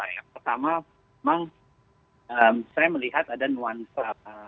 yang pertama memang saya melihat ada nuansa